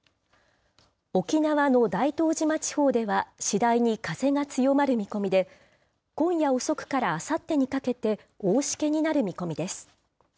沖縄の大東島地方では次第に風が強まる見込みで、今夜遅くからあさってにかけて、大しけになる見込みです。